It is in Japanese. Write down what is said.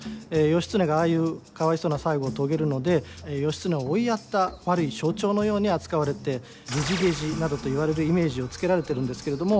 義経がああいうかわいそうな最期を遂げるので義経を追いやった悪い象徴のように扱われて「げじげじ」などと言われるイメージをつけられてるんですけれども。